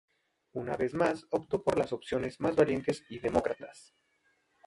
Una vez más optó por las posiciones más valientes y demócratas.